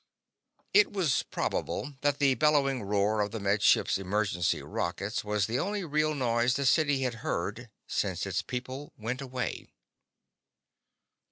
It was probable that the bellowing roar of the Med Ship's emergency rockets was the only real noise the city had heard since its people went away.